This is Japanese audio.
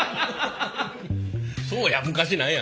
そうや昔何や？